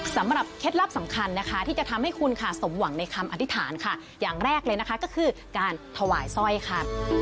เคล็ดลับสำคัญนะคะที่จะทำให้คุณค่ะสมหวังในคำอธิษฐานค่ะอย่างแรกเลยนะคะก็คือการถวายสร้อยค่ะ